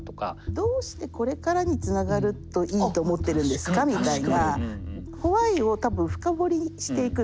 どうしてこれからにつながるといいと思ってるんですかみたいな。